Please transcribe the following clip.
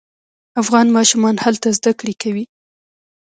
افغان ماشومان هلته زده کړې کوي.